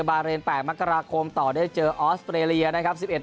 บาเรนแปดมักราคมต่อได้เจอออสเตรเลียนะครับสิบเอ็ด